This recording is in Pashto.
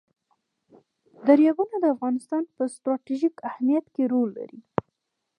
دریابونه د افغانستان په ستراتیژیک اهمیت کې رول لري.